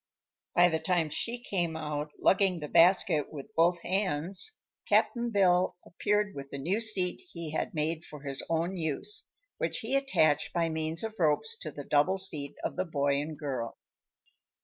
By the time she came out, lugging the basket with both hands, Cap'n Bill appeared with the new seat he had made for his own use, which he attached by means of ropes to the double seat of the boy and girl.